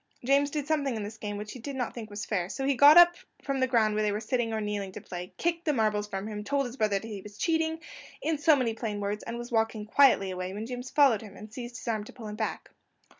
James did something in the game which he did not think fair, so he got up from the ground where they were sitting or kneeling to play, kicked the marbles from him, told his brother that he was cheating, in so many plain words, and was walking quietly away, when James followed him, and seized his arm to pull him back.